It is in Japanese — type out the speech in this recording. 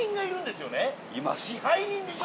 支配人でしょ？